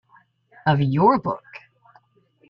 Of "your" book!".